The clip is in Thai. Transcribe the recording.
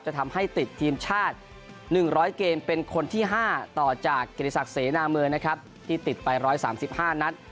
จะทำให้ติดทีมชาติหนึ่งร้อยเกมเป็นคนที่ห้าต่อจากเกรดิศักดิ์เสนาเมืองนะครับที่ติดไปร้อยสามสิบห้านัด